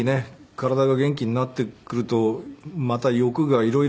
体が元気になってくるとまた欲が色々